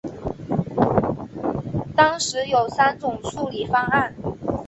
当时有三种处理方案。